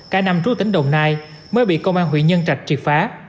cả năm trú tỉnh đồng nai mới bị công an huyện nhân trạch triệt phá